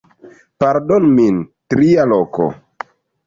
Pardonu min... tria loko